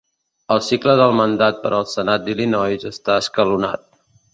El cicle del mandat per al Senat d'Illinois està escalonat.